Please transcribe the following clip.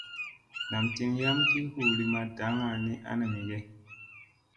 Nam tin yam ki huu li ma daŋŋa ni ana mi ge.